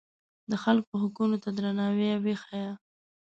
د خلکو حقونو ته درناوی وښیه.